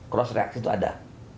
cross reaksi itu ada